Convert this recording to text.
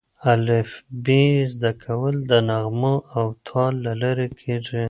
الفبې زده کول د نغمو او تال له لارې کېږي.